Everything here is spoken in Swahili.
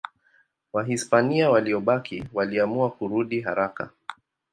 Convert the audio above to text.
Wahispania waliobaki waliamua kurudi haraka.